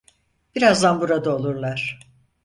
Birazdan burada olurlar.